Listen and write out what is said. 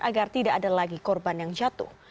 agar tidak ada lagi korban yang jatuh